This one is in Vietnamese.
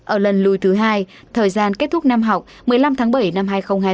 ở lần lùi thứ hai thời gian kết thúc năm học một mươi năm tháng bảy năm hai nghìn hai mươi